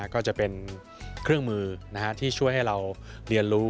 ก็จะเป็นเครื่องมือที่ช่วยให้เราเรียนรู้